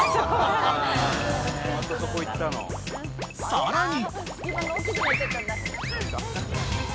［さらに］